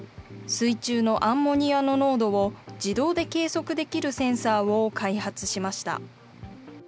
水中のアンモニアの濃度を自動で計測できるセンサーを開発しました。